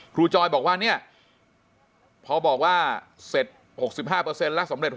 จอยบอกว่าเนี่ยพอบอกว่าเสร็จ๖๕แล้วสำเร็จ